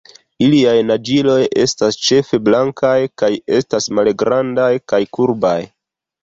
Iliaj naĝiloj estas ĉefe blankaj kaj estas malgrandaj kaj kurbaj.